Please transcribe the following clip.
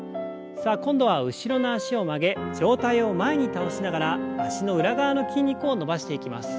さあ今度は後ろの脚を曲げ上体を前に倒しながら脚の裏側の筋肉を伸ばしていきます。